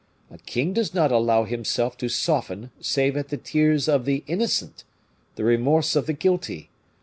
A king does not allow himself to soften save at the tears of the innocent, the remorse of the guilty.